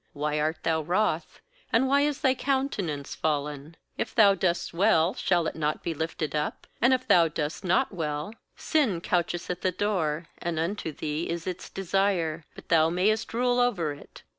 'Why art thou wroth? and why is thy countenance fallen? 7If thou doest well, shall it not be lifted up? and if thou doest not well, sin coucheth at the door; and unto thee is its desire, but thou mayest rule over it.'